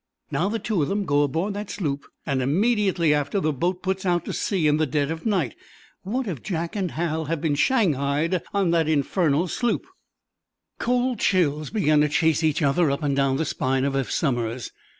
Now, the two of them go aboard that sloop, and immediately after the boat puts out to sea in the dead of night. What if Jack and Hal have been shanghaied on that infernal sloop?" Cold chills began to chase each other up and down the spine of Eph Somers.